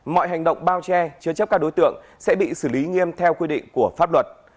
mọi hành động bao che chứa chấp các đối tượng sẽ bị xử lý nghiêm theo quy định của pháp luật